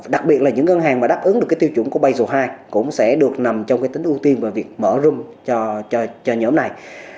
đặc biệt là những ngân hàng mà đáp ứng được tiêu chuẩn của bseo hai cũng sẽ được nằm trong tính ưu tiên và việc mở rơm cho nhóm này